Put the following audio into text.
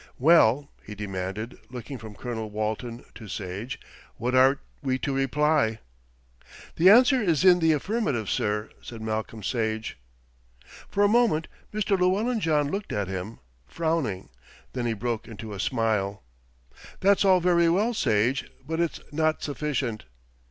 "Well," he demanded, looking from Colonel Walton to Sage, "what are we to reply?" "The answer is in the affirmative, sir," said Malcolm Sage. For a moment Mr. Llewellyn John looked at him, frowning, then he broke into a smile. "That's all very well, Sage, but it's not sufficient."